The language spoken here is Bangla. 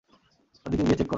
ওদিকে গিয়ে চেক করো।